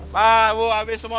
pak bu habis semua